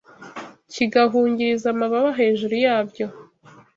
kigahungiriza amababa hejuru yabyo,